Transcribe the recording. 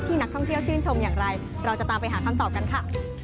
นักท่องเที่ยวชื่นชมอย่างไรเราจะตามไปหาคำตอบกันค่ะ